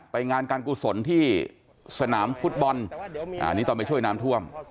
ไปงานการกุศลที่สนามฟุตบอลอันนี้ตอนไปช่วยน้ำท่วม